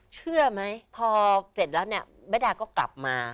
เชื่อไหมพอเสร็จแล้วเนี่ยแม่ดาก็กลับมา